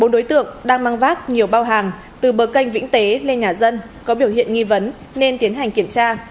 bốn đối tượng đang mang vác nhiều bao hàng từ bờ canh vĩnh tế lên nhà dân có biểu hiện nghi vấn nên tiến hành kiểm tra